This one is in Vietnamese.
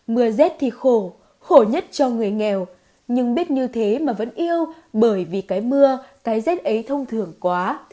mưa rét thì khổ khổ nhất cho người nghèo nhưng biết như thế mà vẫn yêu bởi vì cái mưa cái rét ấy thông thường quá